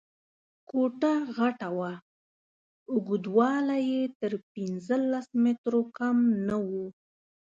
کوټه غټه وه، اوږدوالی یې تر پنځلس مترو کم نه و.